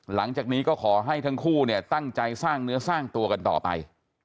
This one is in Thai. หลังจากนี้ก็ขอให้ทั้งคู่เนี่ยตั้งใจสร้างเนื้อสร้างตัวกันต่อไป